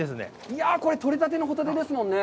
これ、取れたてのホタテですもんね。